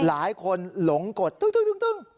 หลายคนหลงกดตึง